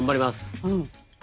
うん。